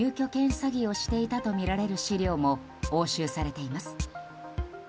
詐欺をしていたとみられる資料も押収されています。